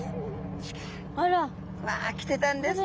わきてたんですね。